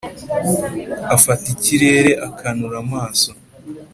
Afata ikirere akanura amaso: